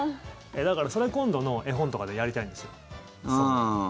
それを今度の絵本とかでやりたいんですよ。